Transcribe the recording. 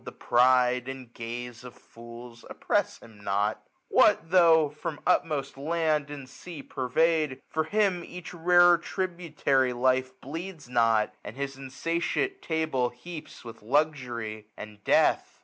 The pride and gaze of fools ! oppress him not ? What tho% from utmost land and sea purveyed. For him each rarer tributary life 1 245 Bleeds not, and his insatiate table heaps With luxury, and death